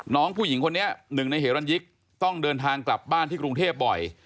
น้องผู้หญิงคนนี้หนึ่งในเหรันยิกต้องเดินทางกลับบ้านที่กรุงเทพบ่อย